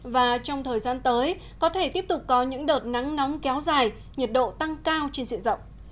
và trong thời gian tới có thể tiếp tục có những đợt nắng nóng kéo dài nhiệt độ tăng cao trên sự rộng